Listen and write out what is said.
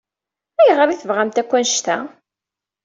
Ayɣer i tebɣamt akk annect-a?